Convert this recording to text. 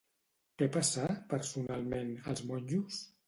Què passà, personalment, als monjos?